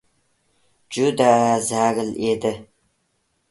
— Juda zaril edi.